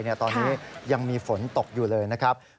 ตอนนี้ยังมีฝนตกอยู่เลยนะครับ